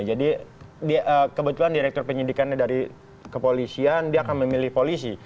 jadi kebetulan direktur penyidikannya dari kepolisian dia akan memilih polisi